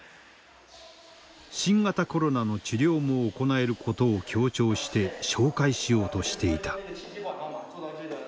新型コロナの治療も行えることを強調して紹介しようとしていた。